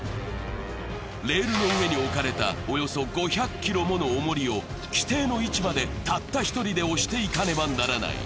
レールの上に置かれたおよそ５００ｋｇもの重りを指定の位置までたった１人で押していかねばならない。